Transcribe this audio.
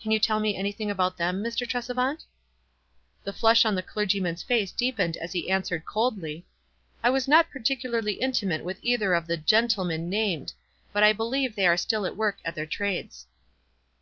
Can you tell me anything about them, Mr. Tresevant?" The flush on the clergyman's face deepened as he answered, coldly, — "I was not particularly intimate with either of the gentlemen named ; but I believe they are still at work at their trades."